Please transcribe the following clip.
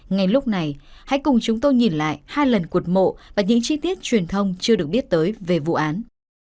ngay lúc này hãy cùng chúng tôi nhìn lại hai lần cột mộ và những chi tiết truyền thông chưa được biết tới về vụ án